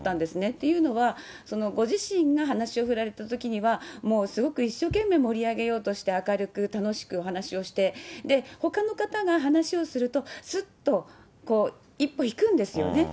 というのは、ご自身が話を振られたときには、もうすごく一生懸命盛り上げようとして、明るく楽しくお話をして、ほかの方が話をすると、すっと一歩引くんですよね。